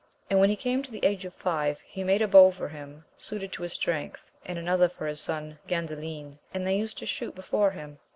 And when he came to the age of five, he made a bow for him suited to his strength, and another for his son Gandalin, and they used to shoot before him.